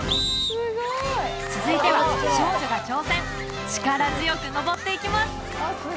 続いては少女が挑戦力強く上っていきます！